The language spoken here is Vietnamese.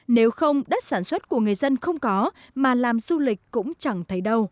nếu không đất sản xuất của người dân không có mà làm du lịch